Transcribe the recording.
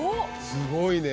すごいね。